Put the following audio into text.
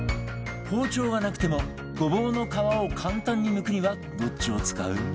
包丁がなくてもごぼうの皮を簡単にむくにはどっちを使う？